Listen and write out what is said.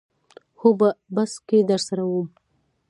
هو په بس کې درسره وم.